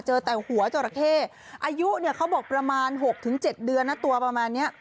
เจอแต่หัวจราเข้อายุเนี่ยเขาบอกประมาณ๖๗เดือนนะตัวประมาณเนี้ย